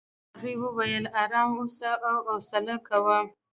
هغې وویل ارام اوسه او حوصله کوه.